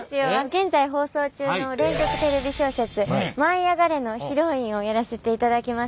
現在放送中の連続テレビ小説「舞いあがれ！」のヒロインをやらせていただきます